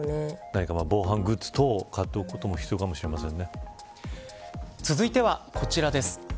何か防犯グッズ等を買っておくことも続いてはこちらです。